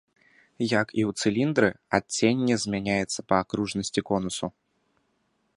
Як і ў цыліндры, адценне змяняецца па акружнасці конусу.